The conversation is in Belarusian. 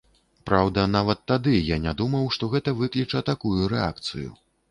Праўда, нават тады я не думаў, што гэта выкліча такую рэакцыю.